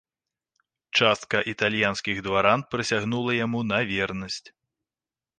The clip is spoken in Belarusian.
Частка італьянскіх дваран прысягнулася яму на вернасць.